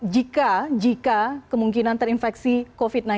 jika jika kemungkinan terinfeksi covid sembilan belas